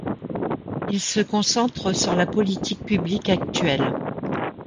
Il se concentre sur la politique publique actuelle.